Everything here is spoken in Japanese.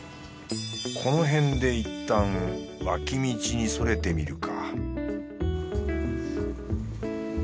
この辺でいったん脇道にそれてみるか